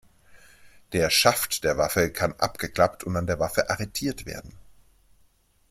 Der Schaft der Waffe kann abgeklappt und an der Waffe arretiert werden.